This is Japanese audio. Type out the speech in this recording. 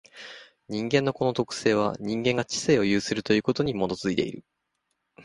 人間のこの特性は、人間が知性を有するということに基いている。